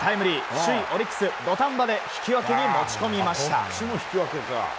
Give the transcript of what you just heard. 首位オリックス土壇場で引き分けに持ち込みました。